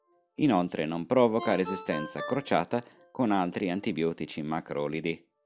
Inoltre non provoca resistenza crociata con altri antibiotici macrolidi.